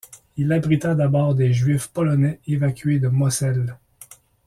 Il abrita d'abord des juifs polonais évacués de Moselle.